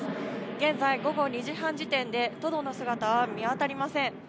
現在、午後２時半時点で、トドの姿は見当たりません。